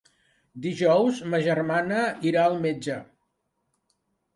Dijous ma germana irà al metge.